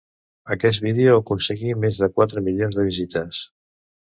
Aquest vídeo aconseguí més de quatre milions de visites.